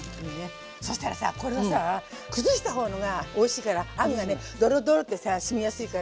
そしたらさこれをさ崩したほうがおいしいからあんがねドロドロってさしみやすいから。